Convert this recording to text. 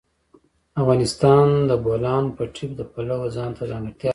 افغانستان د د بولان پټي د پلوه ځانته ځانګړتیا لري.